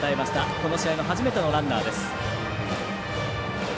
この試合の初めてのランナーです。